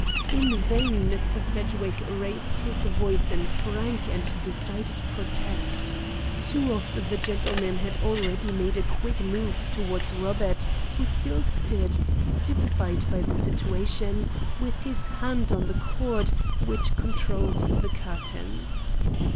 In vain Mr. Sedgwick raised his voice in frank and decided protest, two of the gentlemen had already made a quick move toward Robert, who still stood, stupefied by the situation, with his hand on the cord which controlled the curtains.